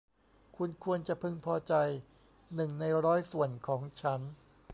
คุณควรจะพึงพอใจหนึ่งในร้อยส่วนของฉัน